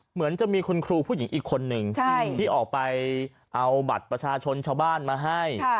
เหมือนจะมีคุณครูผู้หญิงอีกคนนึงที่ออกไปเอาบัตรประชาชนชาวบ้านมาให้